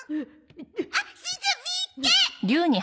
あっしんちゃんみっけ！